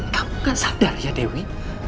kamu kan sadar ya dewi